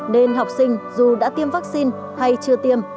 nên học sinh dù đã tiêm vaccine hay chưa tiêm